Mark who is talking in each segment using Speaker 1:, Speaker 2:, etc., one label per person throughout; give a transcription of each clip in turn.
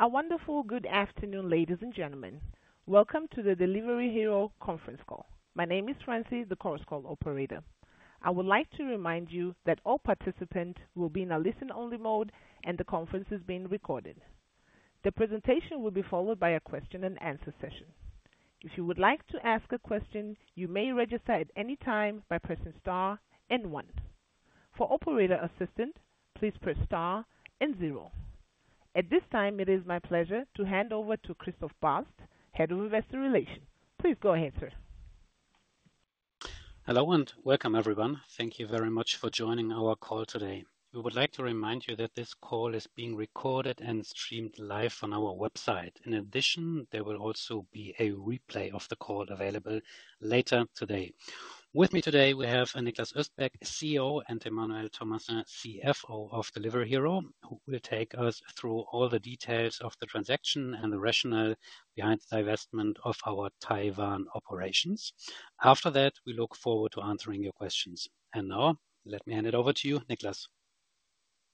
Speaker 1: A wonderful good afternoon, ladies and gentlemen. Welcome to the Delivery Hero Conference Call. My name is Frances, the correspondent operator. I would like to remind you that all participants will be in a listen-only mode and the conference is being recorded. The presentation will be followed by a question-and-answer session. If you would like to ask a question, you may register at any time by pressing * and 1. For Operator Assistant, please press * and 0. At this time, it is my pleasure to hand over to Christoph Bast, Head of Investor Relations. Please go ahead, sir.
Speaker 2: Hello and welcome, everyone. Thank you very much for joining our call today. We would like to remind you that this call is being recorded and streamed live on our website. In addition, there will also be a replay of the call available later today. With me today, we have Niklas Östberg, CEO, and Emmanuel Thomassin, CFO of Delivery Hero, who will take us through all the details of the transaction and the rationale behind the investment of our Taiwan operations. After that, we look forward to answering your questions. Now, let me hand it over to you, Niklas.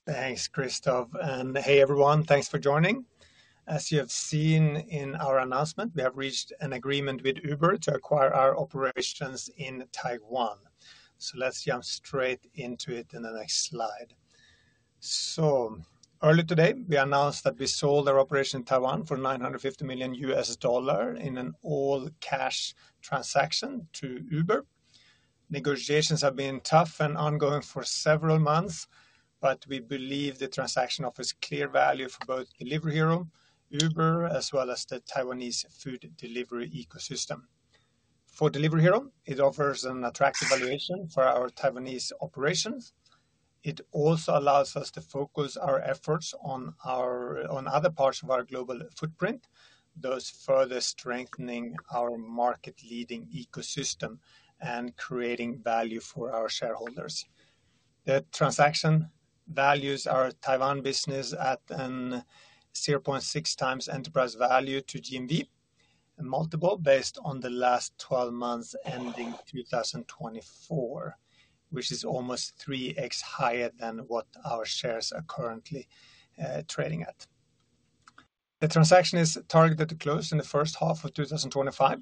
Speaker 3: Thanks, Christoph. Hey, everyone. Thanks for joining. As you have seen in our announcement, we have reached an agreement with Uber to acquire our operations in Taiwan. Let's jump straight into it in the next slide. Early today, we announced that we sold our operation in Taiwan for $950 million in an all-cash transaction to Uber. Negotiations have been tough and ongoing for several months, but we believe the transaction offers clear value for both Delivery Hero, Uber, as well as the Taiwanese food delivery ecosystem. For Delivery Hero, it offers an attractive valuation for our Taiwanese operations. It also allows us to focus our efforts on other parts of our global footprint, thus further strengthening our market-leading ecosystem and creating value for our shareholders. The transaction values our Taiwan business at a 0.6x enterprise value to GMV, a multiple based on the last 12 months ending 2024, which is almost 3x higher than what our shares are currently trading at. The transaction is targeted to close in the first half of 2025,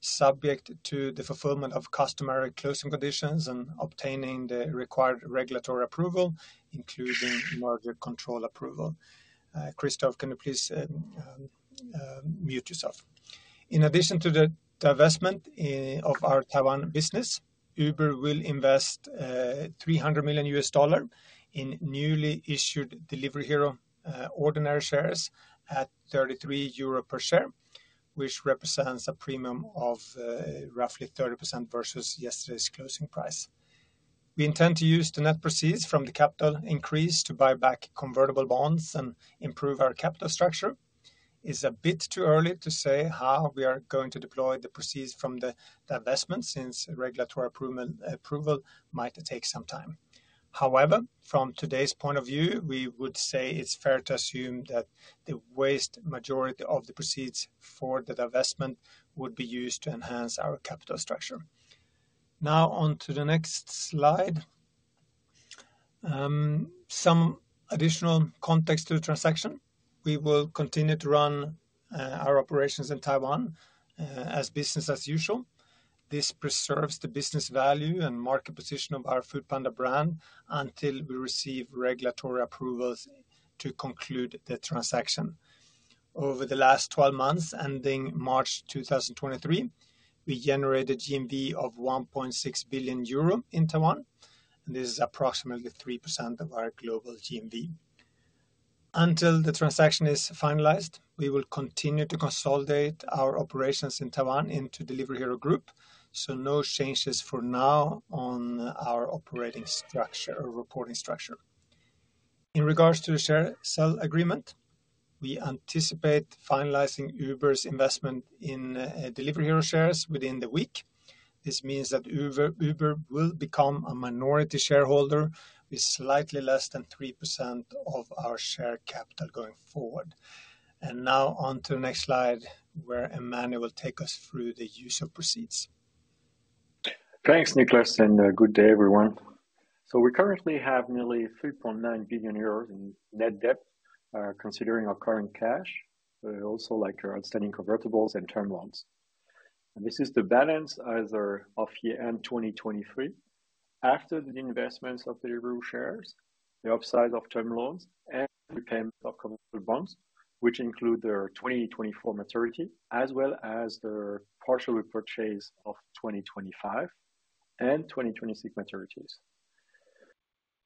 Speaker 3: subject to the fulfillment of customary closing conditions and obtaining the required regulatory approval, including merger control approval. Christoph, can you please mute yourself? In addition to the investment of our Taiwan business, Uber will invest $300 million in newly issued Delivery Hero ordinary shares at 33 euro per share, which represents a premium of roughly 30% versus yesterday's closing price. We intend to use the net proceeds from the capital increase to buy back convertible bonds and improve our capital structure. It's a bit too early to say how we are going to deploy the proceeds from the investment since regulatory approval might take some time. However, from today's point of view, we would say it's fair to assume that the vast majority of the proceeds for the investment would be used to enhance our capital structure. Now onto the next slide. Some additional context to the transaction. We will continue to run our operations in Taiwan as business as usual. This preserves the business value and market position of our Foodpanda brand until we receive regulatory approvals to conclude the transaction. Over the last 12 months ending March 2023, we generated GMV of 1.6 billion euro in Taiwan. This is approximately 3% of our global GMV. Until the transaction is finalized, we will continue to consolidate our operations in Taiwan into Delivery Hero Group, so no changes for now on our operating structure or reporting structure. In regards to the share sale agreement, we anticipate finalizing Uber's investment in Delivery Hero shares within the week. This means that Uber will become a minority shareholder with slightly less than 3% of our share capital going forward. Now onto the next slide where Emmanuel will take us through the use of proceeds.
Speaker 4: Thanks, Niklas, and good day, everyone. So we currently have nearly 3.9 billion euros in net debt considering our current cash, also outstanding convertibles and term loans. This is the balance either of year-end 2023 after the investments of Delivery Hero shares, the upside of term loans, and repayments of convertible bonds, which include their 2024 maturity, as well as the partial repurchase of 2025 and 2026 maturities.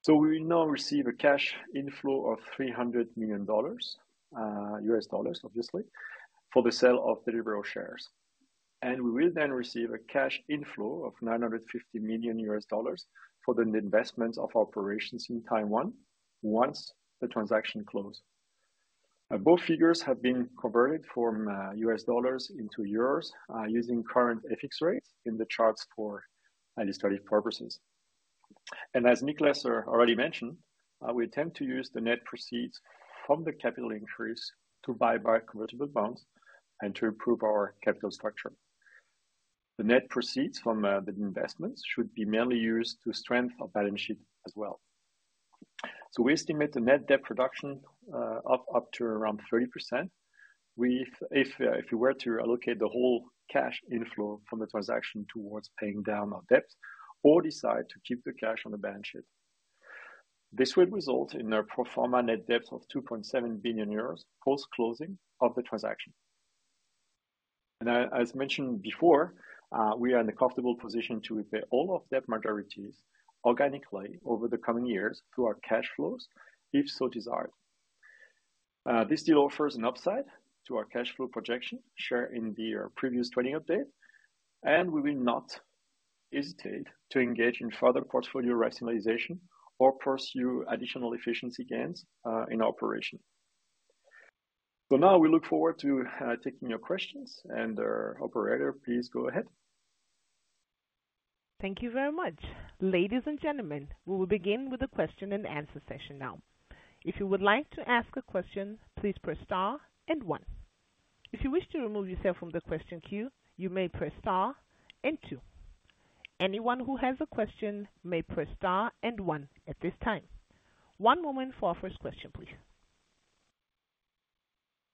Speaker 4: So we will now receive a cash inflow of $300 million, obviously, for the sale of Delivery Hero shares. And we will then receive a cash inflow of $950 million for the investments of our operations in Taiwan once the transaction closes. Both figures have been converted from US dollars into euros using current FX rates in the charts for study purposes. As Niklas already mentioned, we intend to use the net proceeds from the capital increase to buy back convertible bonds and to improve our capital structure. The net proceeds from the investments should be mainly used to strengthen our balance sheet as well. We estimate the net debt reduction up to around 30% if we were to allocate the whole cash inflow from the transaction towards paying down our debt or decide to keep the cash on the balance sheet. This would result in a pro forma net debt of 2.7 billion euros post-closing of the transaction. As mentioned before, we are in a comfortable position to repay all of debt maturities organically over the coming years through our cash flows if so desired. This deal offers an upside to our cash flow projection shared in the previous trading update. And we will not hesitate to engage in further portfolio rationalization or pursue additional efficiency gains in our operation. So now we look forward to taking your questions. And Operator, please go ahead.
Speaker 1: Thank you very much. Ladies and gentlemen, we will begin with the question-and-answer session now. If you would like to ask a question, please press * and 1. If you wish to remove yourself from the question queue, you may press * and 2. Anyone who has a question may press * and 1 at this time. One moment for our first question, please.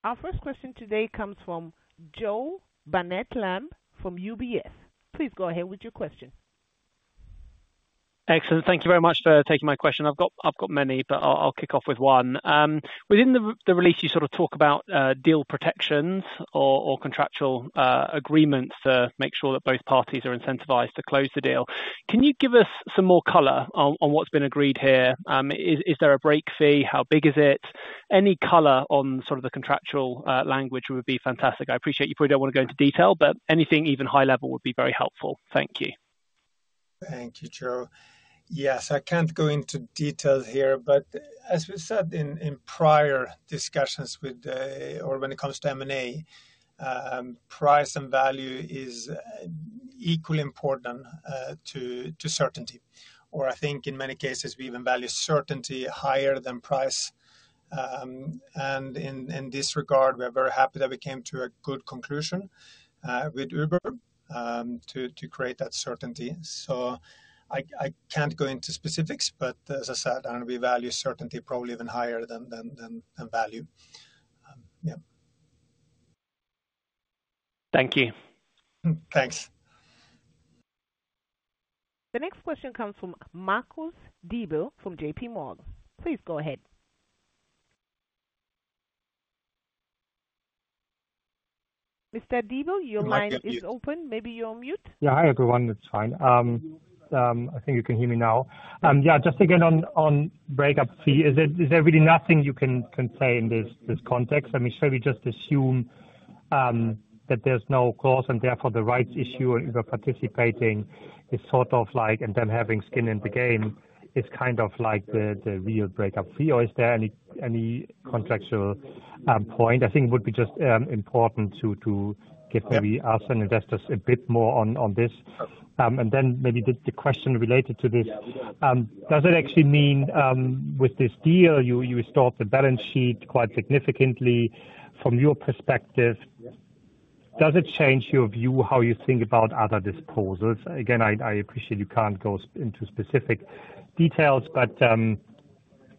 Speaker 1: Our first question today comes from Jo Barnet-Lamb from UBS. Please go ahead with your question.
Speaker 5: Excellent. Thank you very much for taking my question. I've got many, but I'll kick off with one. Within the release, you sort of talk about deal protections or contractual agreements to make sure that both parties are incentivized to close the deal. Can you give us some more color on what's been agreed here? Is there a break fee? How big is it? Any color on sort of the contractual language would be fantastic. I appreciate you. Probably don't want to go into detail, but anything even high-level would be very helpful. Thank you.
Speaker 3: Thank you, Joe. Yes, I can't go into details here. But as we said in prior discussions when it comes to M&A, price and value is equally important to certainty. Or I think in many cases, we even value certainty higher than price. And in this regard, we are very happy that we came to a good conclusion with Uber to create that certainty. So I can't go into specifics, but as I said, we value certainty probably even higher than value. Yeah.
Speaker 5: Thank you.
Speaker 3: Thanks.
Speaker 1: The next question comes from Marcus Diebel from J.P. Morgan. Please go ahead. Mr. Diebel, your line is open. Maybe you're on mute.
Speaker 6: Yeah, hi, everyone. It's fine. I think you can hear me now. Yeah, just again on breakup fee, is there really nothing you can say in this context? I mean, shall we just assume that there's no clause and therefore the rights issue and Uber participating is sort of like and them having skin in the game is kind of like the real breakup fee? Or is there any contractual point? I think it would be just important to give maybe us and investors a bit more on this. And then maybe the question related to this, does it actually mean with this deal, you restored the balance sheet quite significantly? From your perspective, does it change your view, how you think about other disposals? Again, I appreciate you can't go into specific details, but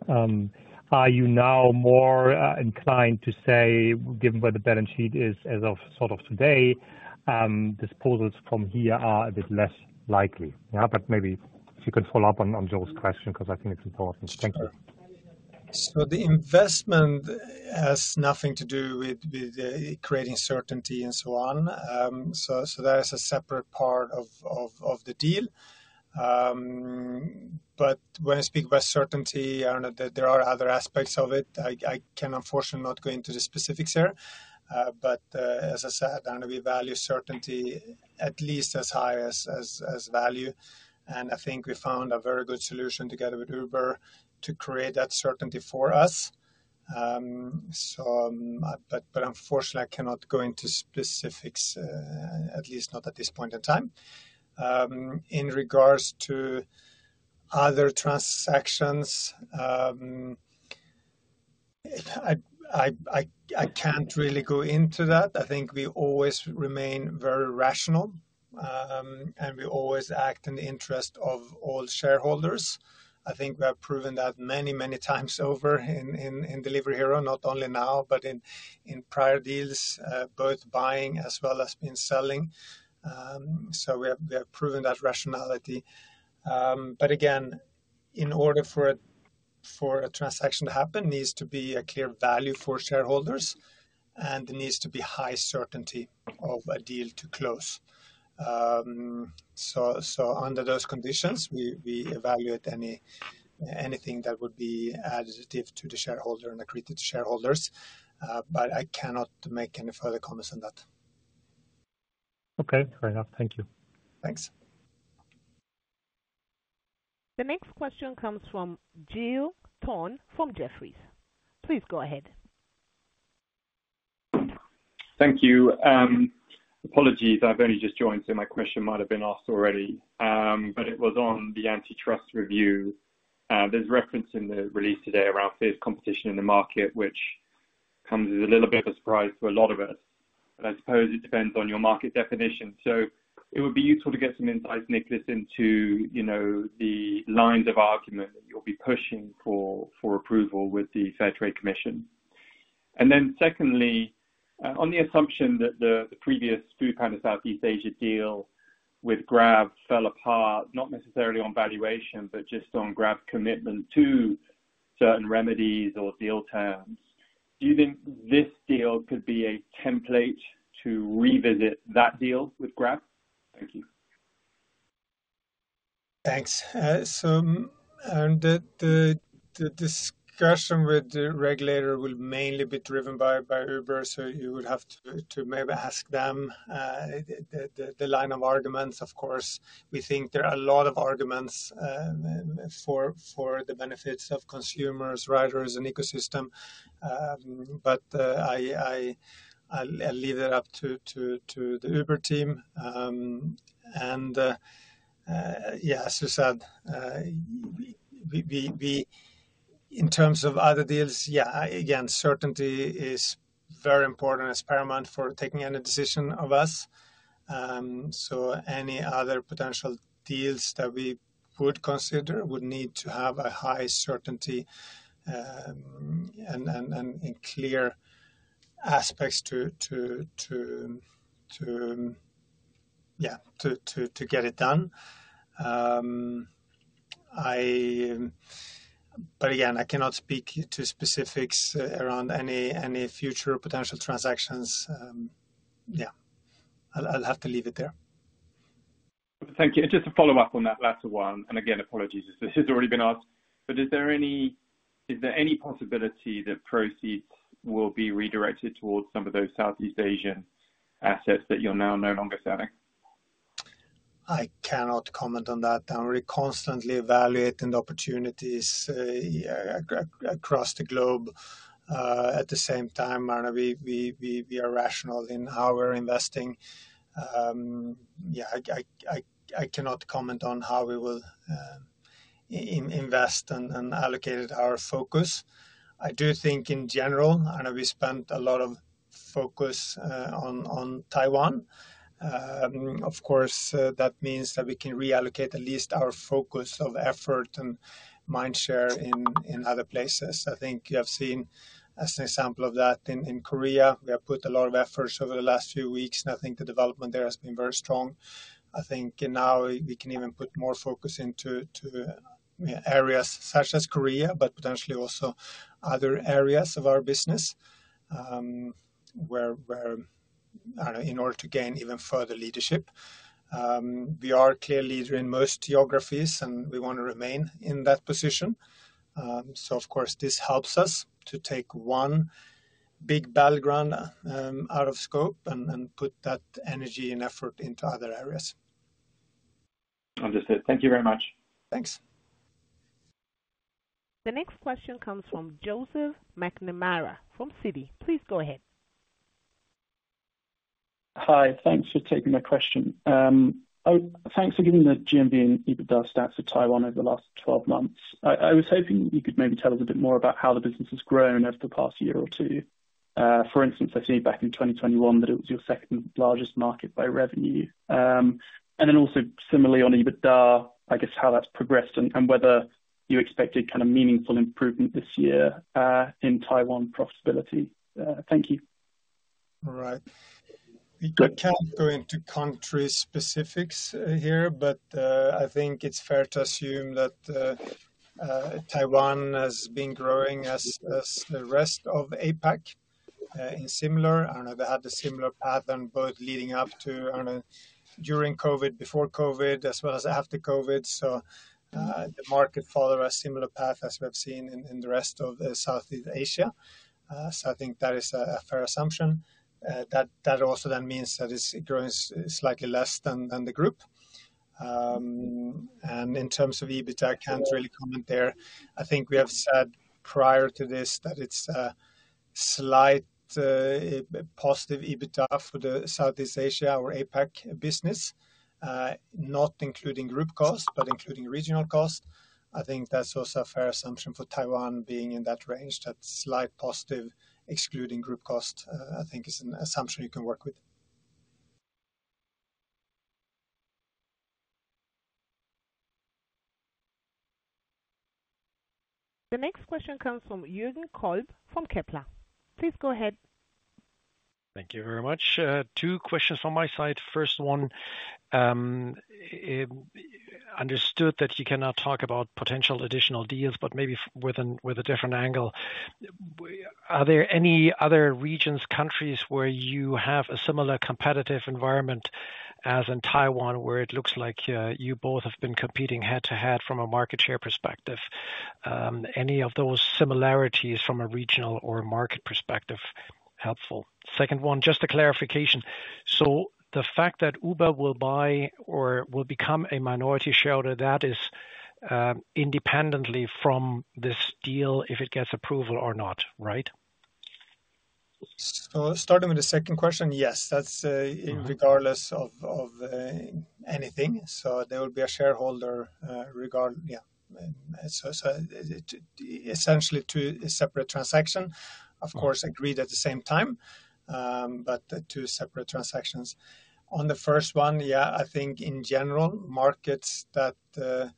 Speaker 6: are you now more inclined to say, given where the balance sheet is as of sort of today, disposals from here are a bit less likely? Yeah? But maybe if you can follow up on Joe's question because I think it's important. Thank you.
Speaker 3: So the investment has nothing to do with creating certainty and so on. So that is a separate part of the deal. But when I speak about certainty, I don't know that there are other aspects of it. I can, unfortunately, not go into the specifics here. But as I said, I don't know, we value certainty at least as high as value. And I think we found a very good solution together with Uber to create that certainty for us. But unfortunately, I cannot go into specifics, at least not at this point in time. In regards to other transactions, I can't really go into that. I think we always remain very rational and we always act in the interest of all shareholders. I think we have proven that many, many times over in Delivery Hero, not only now, but in prior deals, both buying as well as being selling. So we have proven that rationality. But again, in order for a transaction to happen, there needs to be a clear value for shareholders and there needs to be high certainty of a deal to close. So under those conditions, we evaluate anything that would be additive to the shareholder and accretive to shareholders. But I cannot make any further comments on that.
Speaker 6: Okay. Fair enough. Thank you.
Speaker 3: Thanks.
Speaker 1: The next question comes from Giles Thorne from Jefferies. Please go ahead.
Speaker 7: Thank you. Apologies. I've only just joined, so my question might have been asked already, but it was on the antitrust review. There's reference in the release today around fierce competition in the market, which comes as a little bit of a surprise to a lot of us. But I suppose it depends on your market definition. So it would be useful to get some insights, Niklas, into the lines of argument that you'll be pushing for approval with the Fair Trade Commission. And then secondly, on the assumption that the previous Foodpanda Southeast Asia deal with Grab fell apart, not necessarily on valuation, but just on Grab's commitment to certain remedies or deal terms, do you think this deal could be a template to revisit that deal with Grab? Thank you.
Speaker 3: Thanks. The discussion with the regulator will mainly be driven by Uber, so you would have to maybe ask them the line of arguments. Of course, we think there are a lot of arguments for the benefits of consumers, riders, and ecosystem. But I'll leave it up to the Uber team. Yeah, as you said, in terms of other deals, yeah, again, certainty is very important as paramount for taking any decision of us. So any other potential deals that we would consider would need to have a high certainty and clear aspects to get it done. But again, I cannot speak to specifics around any future potential transactions. Yeah. I'll have to leave it there.
Speaker 7: Thank you. And just a follow-up on that latter one. And again, apologies. This has already been asked. But is there any possibility that proceeds will be redirected towards some of those Southeast Asian assets that you're now no longer selling?
Speaker 3: I cannot comment on that. I'm really constantly evaluating the opportunities across the globe. At the same time, I don't know, we are rational in how we're investing. Yeah, I cannot comment on how we will invest and allocate our focus. I do think in general, I don't know, we spent a lot of focus on Taiwan. Of course, that means that we can reallocate at least our focus of effort and mindshare in other places. I think you have seen as an example of that in Korea. We have put a lot of efforts over the last few weeks, and I think the development there has been very strong. I think now we can even put more focus into areas such as Korea, but potentially also other areas of our business where in order to gain even further leadership. We are clear leader in most geographies, and we want to remain in that position. Of course, this helps us to take one big battleground out of scope and put that energy and effort into other areas.
Speaker 7: Understood. Thank you very much.
Speaker 3: Thanks.
Speaker 1: The next question comes from Joseph McNamara from Citi. Please go ahead.
Speaker 8: Hi. Thanks for taking my question. Thanks for giving the GMV and EBITDA stats of Taiwan over the last 12 months. I was hoping you could maybe tell us a bit more about how the business has grown over the past year or two. For instance, I see back in 2021 that it was your second-largest market by revenue. And then also similarly on EBITDA, I guess how that's progressed and whether you expected kind of meaningful improvement this year in Taiwan profitability. Thank you.
Speaker 3: All right. We can't go into country specifics here, but I think it's fair to assume that Taiwan has been growing as the rest of APAC in similar. I don't know if they had a similar pattern both leading up to during COVID, before COVID, as well as after COVID. So the market followed a similar path as we've seen in the rest of Southeast Asia. So I think that is a fair assumption. That also then means that it's growing slightly less than the group. And in terms of EBITDA, I can't really comment there. I think we have said prior to this that it's a slight positive EBITDA for the Southeast Asia, our APAC business, not including group costs, but including regional costs. I think that's also a fair assumption for Taiwan being in that range.
Speaker 8: That slight positive excluding group cost, I think, is an assumption you can work with.
Speaker 1: The next question comes from Jürgen Kolb from Kepler. Please go ahead.
Speaker 9: Thank you very much. Two questions from my side. First one, understood that you cannot talk about potential additional deals, but maybe with a different angle. Are there any other regions, countries where you have a similar competitive environment as in Taiwan, where it looks like you both have been competing head-to-head from a market share perspective? Any of those similarities from a regional or market perspective helpful? Second one, just a clarification. So the fact that Uber will buy or will become a minority shareholder, that is independently from this deal if it gets approval or not, right?
Speaker 3: So starting with the second question, yes, that's regardless of anything. So there will be a shareholder regardless. Yeah. So essentially two separate transactions. Of course, agreed at the same time, but two separate transactions. On the first one, yeah, I think in general, markets where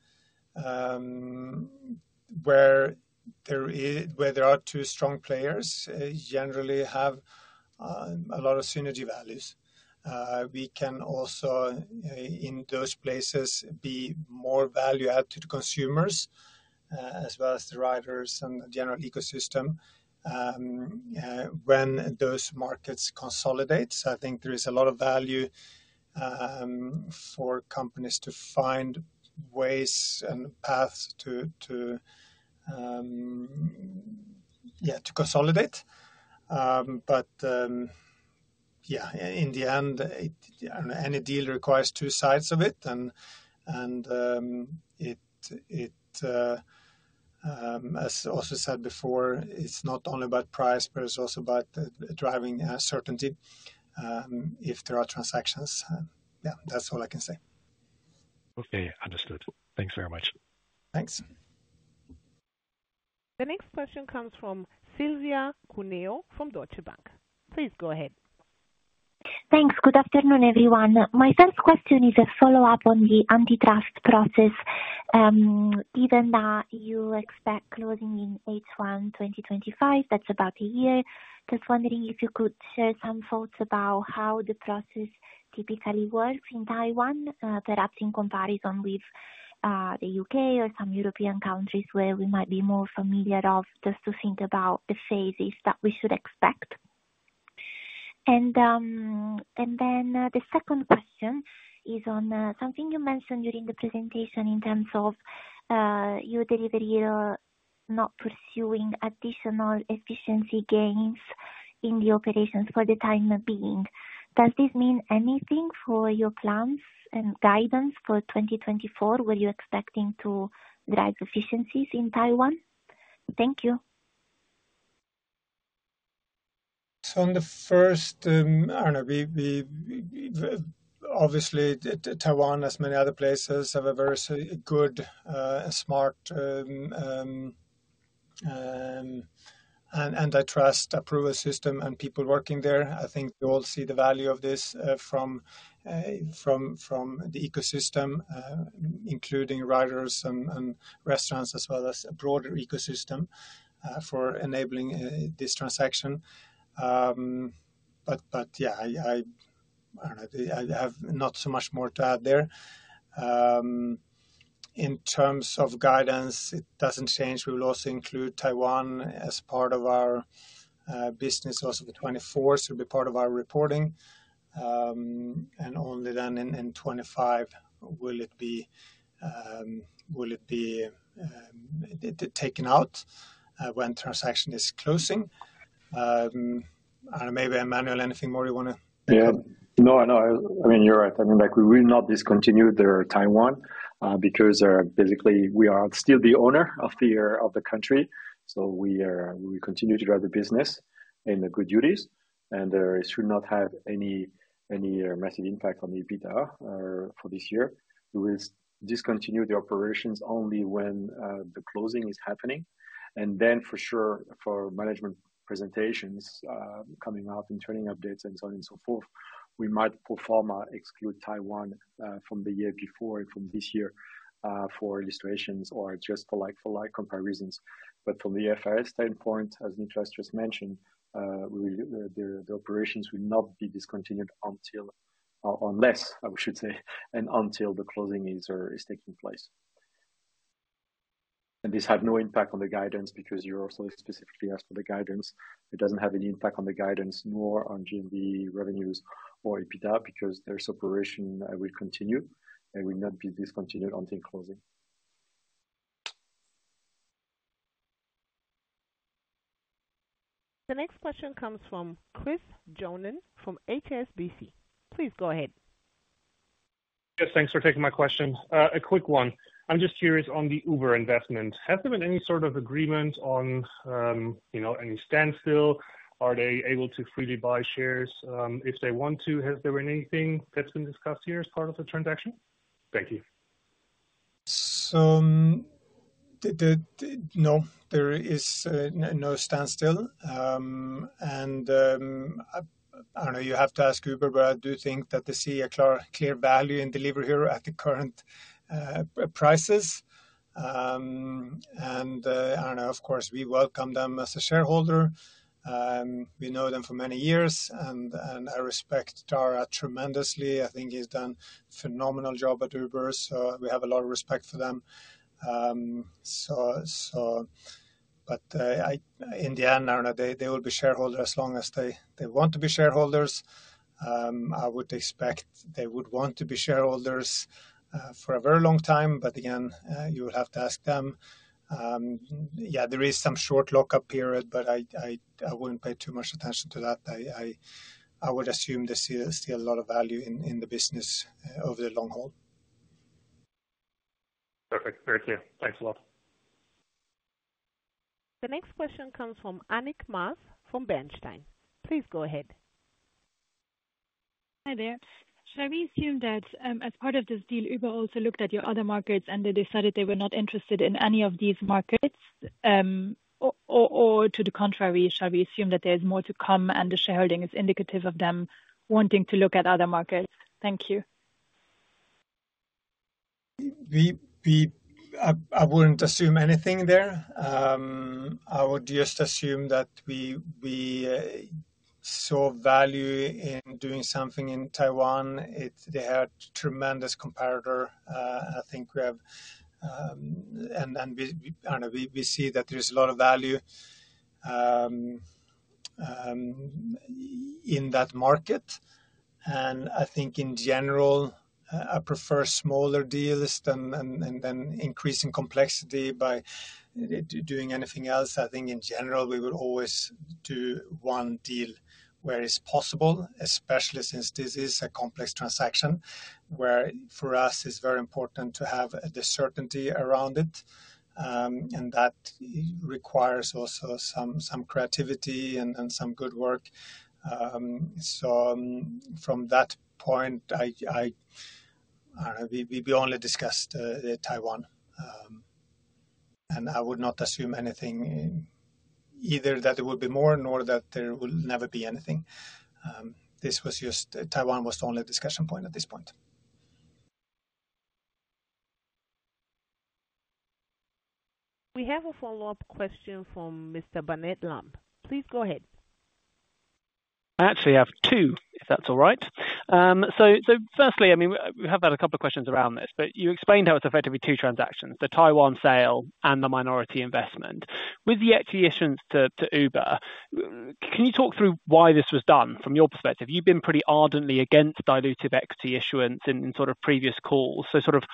Speaker 3: there are two strong players generally have a lot of synergy values. We can also, in those places, be more value-add to the consumers as well as the riders and the general ecosystem when those markets consolidate. So I think there is a lot of value for companies to find ways and paths to consolidate. But yeah, in the end, any deal requires two sides of it. And as also said before, it's not only about price, but it's also about driving certainty if there are transactions. Yeah, that's all I can say.
Speaker 9: Okay. Understood. Thanks very much.
Speaker 3: Thanks.
Speaker 1: The next question comes from Silvia Cuneo from Deutsche Bank. Please go ahead.
Speaker 10: Thanks. Good afternoon, everyone. My first question is a follow-up on the antitrust process. Given that you expect closing in H1 2025, that's about a year, just wondering if you could share some thoughts about how the process typically works in Taiwan, perhaps in comparison with the U.K. or some European countries where we might be more familiar of just to think about the phases that we should expect. And then the second question is on something you mentioned during the presentation in terms of your delivery not pursuing additional efficiency gains in the operations for the time being. Does this mean anything for your plans and guidance for 2024 where you're expecting to drive efficiencies in Taiwan? Thank you.
Speaker 3: So on the first, I don't know, obviously, Taiwan, as many other places, have a very good, smart antitrust approval system and people working there. I think we all see the value of this from the ecosystem, including riders and restaurants as well as a broader ecosystem for enabling this transaction. But yeah, I don't know. I have not so much more to add there. In terms of guidance, it doesn't change. We will also include Taiwan as part of our business also for 2024. So it'll be part of our reporting. And only then in 2025 will it be taken out when transaction is closing. I don't know. Maybe, Emmanuel, anything more you want to add?
Speaker 4: Yeah. No, I know. I mean, you're right. I mean, we will not discontinue Taiwan because basically, we are still the owner of the country. So we continue to drive the business in good faith. And it should not have any massive impact on EBITDA for this year. We will discontinue the operations only when the closing is happening. And then, for sure, for management presentations coming up and training updates and so on and so forth, we might exclude Taiwan from the year before and from this year for illustrations or just for comparisons. But from the IFRS standpoint, as Niklas just mentioned, the operations will not be discontinued unless, I should say, and until the closing is taking place. And this has no impact on the guidance because you also specifically asked for the guidance. It doesn't have any impact on the guidance nor on GMV revenues or EBITDA because their operation will continue. It will not be discontinued until closing.
Speaker 1: The next question comes from Christopher Johnen from HSBC. Please go ahead.
Speaker 11: Yes. Thanks for taking my question. A quick one. I'm just curious on the Uber investment. Has there been any sort of agreement on any standstill? Are they able to freely buy shares if they want to? Has there been anything that's been discussed here as part of the transaction? Thank you.
Speaker 3: No, there is no standstill. And I don't know. You have to ask Uber, but I do think that they see a clear value in delivery here at the current prices. And I don't know. Of course, we welcome them as a shareholder. We know them for many years, and I respect Dara tremendously. I think he's done a phenomenal job at Uber. So we have a lot of respect for them. But in the end, I don't know. They will be shareholders as long as they want to be shareholders. I would expect they would want to be shareholders for a very long time. But again, you will have to ask them. Yeah, there is some short lockup period, but I wouldn't pay too much attention to that. I would assume they see a lot of value in the business over the long haul.
Speaker 11: Perfect. Thank you. Thanks a lot.
Speaker 1: The next question comes from Annick Maas from Bernstein. Please go ahead.
Speaker 12: Hi there. Shall we assume that as part of this deal, Uber also looked at your other markets and they decided they were not interested in any of these markets? Or to the contrary, shall we assume that there's more to come and the shareholding is indicative of them wanting to look at other markets? Thank you.
Speaker 3: I wouldn't assume anything there. I would just assume that we saw value in doing something in Taiwan. They had a tremendous competitor. I think we have and I don't know. We see that there's a lot of value in that market. And I think in general, I prefer smaller deals than increasing complexity by doing anything else. I think in general, we would always do one deal where it's possible, especially since this is a complex transaction where for us, it's very important to have the certainty around it. And that requires also some creativity and some good work. So from that point, I don't know. We only discussed Taiwan. And I would not assume anything either that it would be more nor that there will never be anything. Taiwan was the only discussion point at this point.
Speaker 1: We have a follow-up question from Mr. Barnet-Lamb. Please go ahead.
Speaker 5: Actually, I have two, if that's all right. So firstly, I mean, we have had a couple of questions around this, but you explained how it's effectively two transactions, the Taiwan sale and the minority investment. With the equity issuance to Uber, can you talk through why this was done from your perspective? You've been pretty ardently against dilutive equity issuance in sort of previous calls. So sort of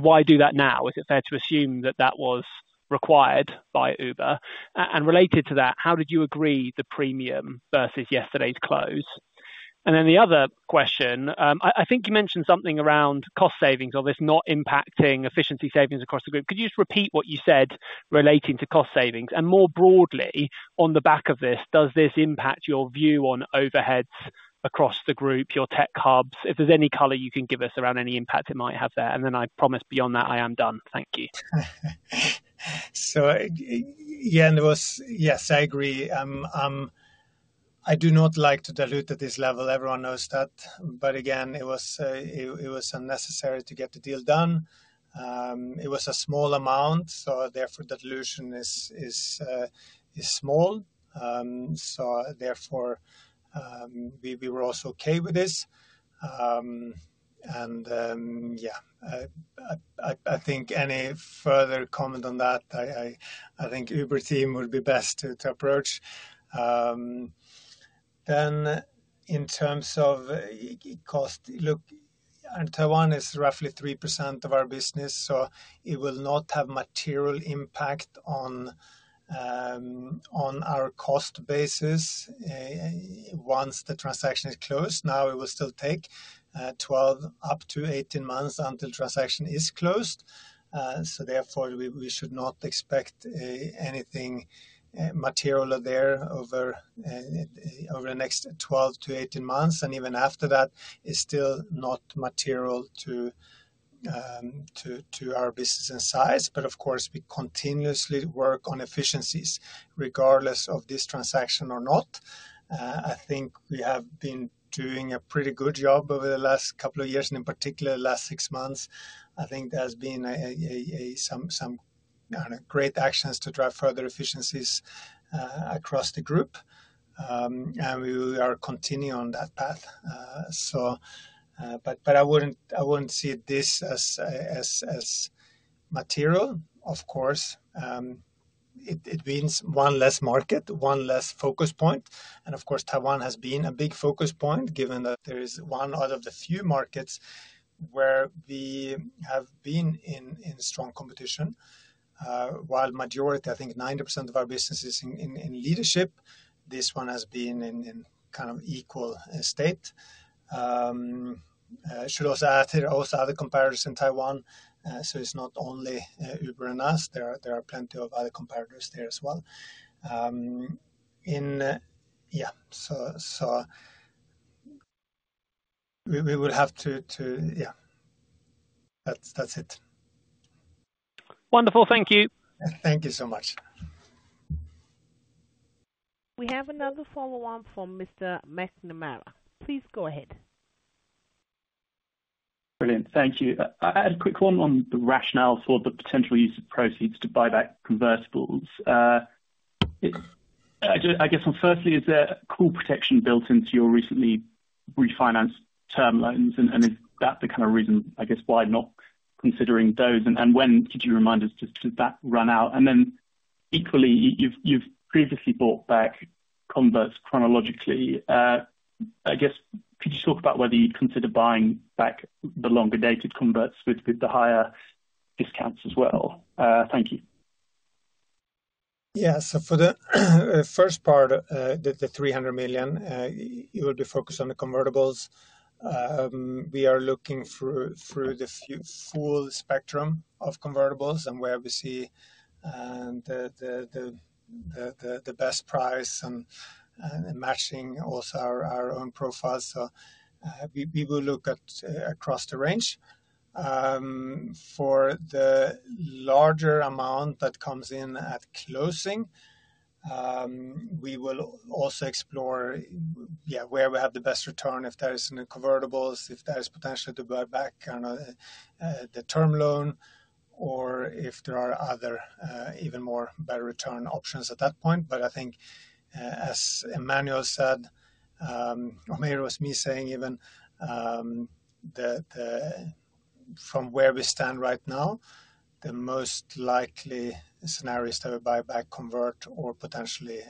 Speaker 5: why do that now? Is it fair to assume that that was required by Uber? And related to that, how did you agree the premium versus yesterday's close? And then the other question, I think you mentioned something around cost savings or this not impacting efficiency savings across the group. Could you just repeat what you said relating to cost savings? More broadly, on the back of this, does this impact your view on overheads across the group, your tech hubs? If there's any color you can give us around any impact it might have there. And then I promise beyond that, I am done. Thank you.
Speaker 3: So yeah, yes, I agree. I do not like to dilute at this level. Everyone knows that. But again, it was unnecessary to get the deal done. It was a small amount. So therefore, the dilution is small. So therefore, we were also okay with this. And yeah, I think any further comment on that, I think Uber team would be best to approach. Then in terms of cost, look, Taiwan is roughly 3% of our business. So it will not have material impact on our cost basis once the transaction is closed. Now, it will still take 12-18 months until transaction is closed. So therefore, we should not expect anything material there over the next 12-18 months. And even after that, it's still not material to our business in size. But of course, we continuously work on efficiencies regardless of this transaction or not. I think we have been doing a pretty good job over the last couple of years and in particular, the last six months. I think there has been some great actions to drive further efficiencies across the group. And we are continuing on that path. But I wouldn't see this as material. Of course, it means one less market, one less focus point. And of course, Taiwan has been a big focus point given that there is one out of the few markets where we have been in strong competition. While majority, I think 90% of our business is in leadership, this one has been in kind of equal state. I should also add there are also other competitors in Taiwan. So it's not only Uber and us. There are plenty of other competitors there as well. Yeah. So we will have to yeah. That's it.
Speaker 5: Wonderful. Thank you.
Speaker 3: Thank you so much.
Speaker 1: We have another follow-up from Mr. McNamara. Please go ahead.
Speaker 8: Brilliant. Thank you. I had a quick one on the rationale for the potential use of proceeds to buy back convertibles. I guess firstly, is there call protection built into your recently refinanced term loans? And is that the kind of reason, I guess, why not considering those? And when could you remind us, does that run out? And then equally, you've previously bought back converts chronologically. I guess, could you talk about whether you'd consider buying back the longer-dated converts with the higher discounts as well? Thank you.
Speaker 3: Yeah. So for the first part, the 300 million, it will be focused on the convertibles. We are looking through the full spectrum of convertibles and where we see the best price and matching also our own profiles. So we will look at across the range. For the larger amount that comes in at closing, we will also explore where we have the best return if there is any convertibles, if there is potential to buy back the term loan, or if there are other, even more better return options at that point. But I think, as Emmanuel said, or maybe it was me saying even, from where we stand right now, the most likely scenarios that we buy back convert or potentially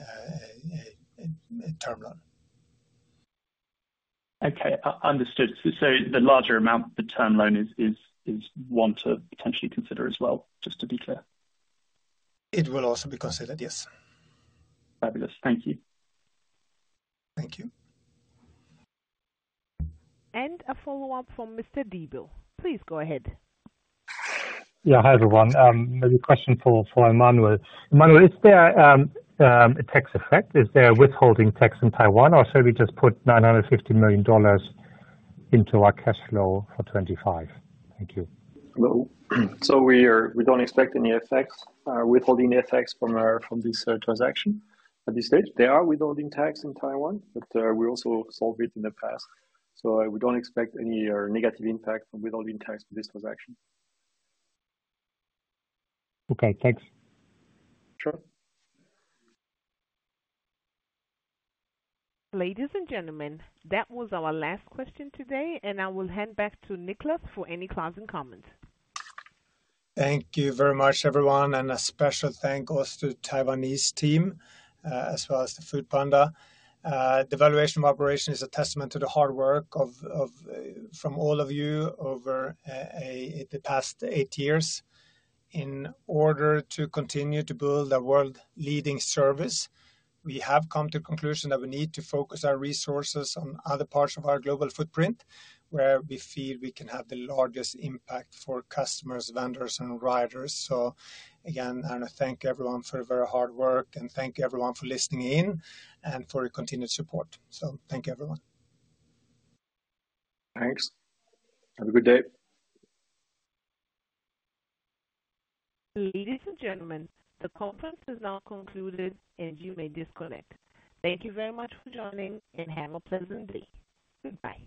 Speaker 3: a term loan.
Speaker 8: Okay. Understood. So the larger amount, the term loan is one to potentially consider as well, just to be clear.
Speaker 3: It will also be considered, yes.
Speaker 8: Fabulous. Thank you.
Speaker 3: Thank you.
Speaker 1: A follow-up from Mr. Diebel. Please go ahead.
Speaker 6: Yeah. Hi everyone. Maybe a question for Emmanuel. Emmanuel, is there a tax effect? Is there a withholding tax in Taiwan? Or should we just put $950 million into our cash flow for 2025? Thank you.
Speaker 4: Hello. So we don't expect any withholding effects from this transaction at this stage. There are withholding tax in Taiwan, but we also solved it in the past. So we don't expect any negative impact from withholding tax for this transaction.
Speaker 6: Okay. Thanks.
Speaker 7: Sure.
Speaker 1: Ladies and gentlemen, that was our last question today. I will hand back to Niklas for any closing comments.
Speaker 3: Thank you very much, everyone. A special thanks also to the Taiwanese team as well as the foodpanda. The valuation of operations is a testament to the hard work from all of you over the past eight years. In order to continue to build a world-leading service, we have come to the conclusion that we need to focus our resources on other parts of our global footprint where we feel we can have the largest impact for customers, vendors, and riders. So again, I want to thank everyone for the very hard work. Thank you everyone for listening in and for your continued support. Thank you, everyone.
Speaker 2: Thanks. Have a good day.
Speaker 1: Ladies and gentlemen, the conference is now concluded, and you may disconnect. Thank you very much for joining and have a pleasant day. Goodbye.